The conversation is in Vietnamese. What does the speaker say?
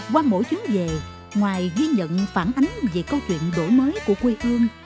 qua mỗi chuyến về ngoài ghi nhận phản ánh về câu chuyện đổi mới của quê hương